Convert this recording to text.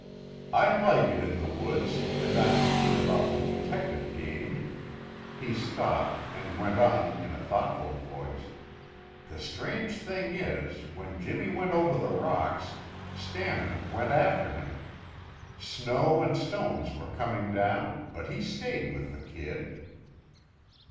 I like it in the woods and I'm keen about the detective game " He stopped and went on in a thoughtful voice: "The strange thing is, when Jimmy went over the rocks, Stannard went after him. Snow and stones were coming down, but he stayed with the kid."